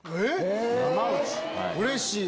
うれしい！